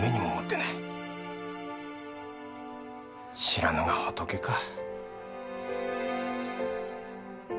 知らぬが仏か。